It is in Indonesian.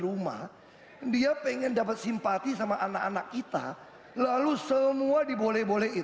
rumah dia pengen dapat simpati sama anak anak kita lalu setelah menginstikasikan ini dia sudah diberhentikan